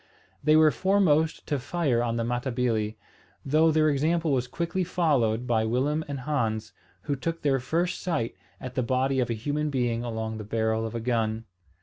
They were foremost to fire on the Matabili; though their example was quickly followed by Willem and Hans, who took their first sight at the body of a human being along the barrel of a gun.